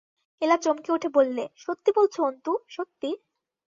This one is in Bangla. এলা চমকে উঠে বললে, সত্যি বলছ অন্তু, সত্যি?